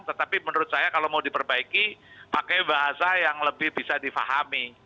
tetapi menurut saya kalau mau diperbaiki pakai bahasa yang lebih bisa difahami